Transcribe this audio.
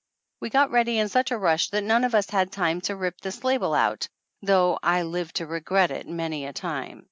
We got ready in such a rush that none of us had time to rip this label out, though I lived to regret it many a time